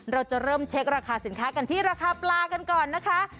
เราจะเริ่มเช็คราคาสินค้ากันที่ราคาปลากันก่อนนะคะ